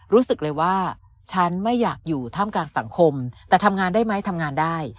รู้สึกเลยว่าฉันไม่อยากอยู่ท่ามกลางสังคมแต่ทำงานได้ไหมทำงานได้